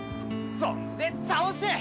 そんで倒す！